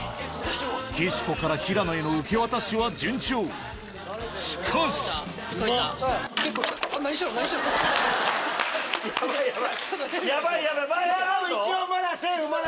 岸子から平野への受け渡しは順調しかしヤバいヤバい！